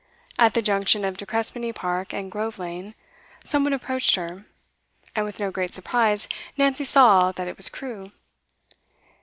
At the junction of De Crespigny Park and Grove Lane, some one approached her, and with no great surprise Nancy saw that it was Crewe.